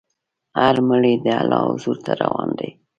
هر مړی د الله حضور ته روان دی.